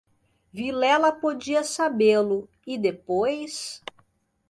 Vilela podia sabê-lo, e depois...